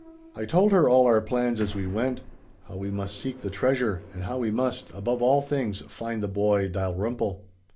I told her all our plans as we went. How we must seek the treasure; and how we must, above all things, find the boy Dalrymple.